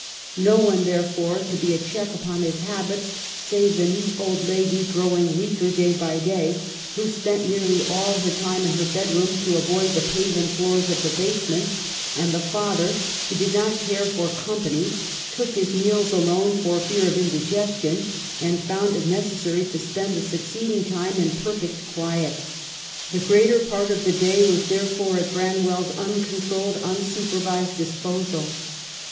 No one, therefore, to be a check upon his habits, save the neat old lady, growing weaker day by day, who spent nearly all her time in her bedroom to avoid the paven floors of the basement ; and the father, who did not care for company, took his meals alone for fear of indigestion, and found it neces sary to spend the succeeding time in perfect quiet. The greater part of the day was, there fore, at Branwell's uncontrolled, unsupervised disposal.